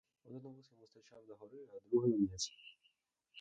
Один вус йому стирчав до гори, а другий униз.